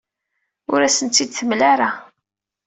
Ur asent-tt-id-temla ara.